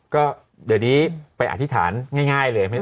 ก็เดี๋ยวนี้ไปอธิษฐานง่ายเลย